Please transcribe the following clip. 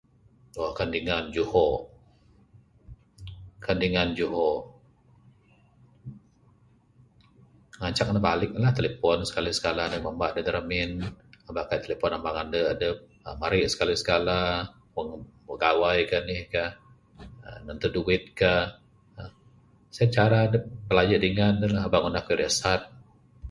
Kan dingan juho, kan dingan juho. Ngancak ne balik la, talipon sekali sekala ndek mamba da ramin aba kaik telipon amang ande adep. uhh marik sekali sekala wang gawai kah anih kah. uhh nganted duit kah. Sien cara adep bilaje dingan dep, ba ngajar ngundah kerja da asat.